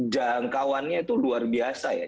jangkauannya itu luar biasa ya